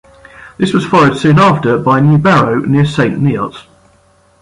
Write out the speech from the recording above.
This was followed soon after by a new barrow near Saint Neots.